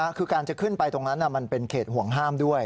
คือการจะขึ้นไปตรงนั้นมันเป็นเขตห่วงห้ามด้วย